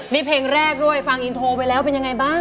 นี่เพลงแรกด้วยฟังอินโทรไปแล้วเป็นยังไงบ้าง